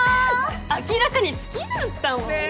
明らかに好きだったもんね。